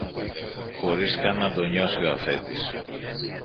χωρίς καν να το νιώσει ο Αφέντης.